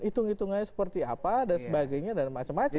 hitung hitungannya seperti apa dan sebagainya dan macam macam